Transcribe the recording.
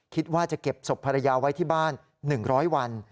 คิดว่าจะเก็บศพภรรยาไว้ที่บ้าน๑๐๐วัน